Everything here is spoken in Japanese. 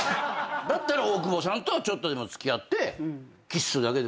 だったら大久保さんとはちょっとでも付き合って。